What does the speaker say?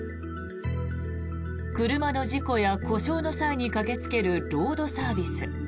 車の事故や故障の際に駆けつけるロードサービス。